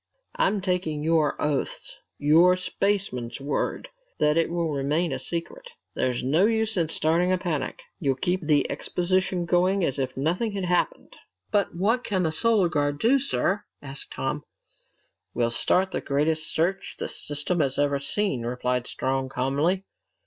I'm taking your oaths, your spaceman's word, that it will remain a secret. There's no use in starting a panic. You'll keep the exposition going as if nothing had happened." "But what can the Solar Guard do, sir?" asked Tom. "We'll start the greatest search the system has ever seen," replied Strong calmly.